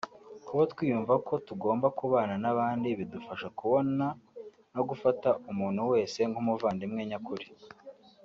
Kuba twiyumvamo ko tugomba kubana n’abandi bidufasha kubona no gufata umuntu wese nk’umuvandimwe nyakuri